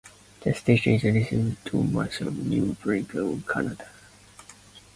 The station is licensed to Moncton, New Brunswick, Canada.